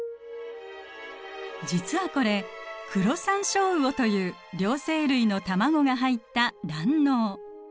実はこれクロサンショウウオという両生類の卵が入った卵嚢。